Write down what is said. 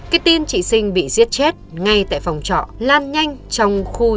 cái tin chị sinh bị giết chết ngay tại phòng trọ lan nhanh trong khu xóm tổ năm